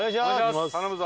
頼むぞ！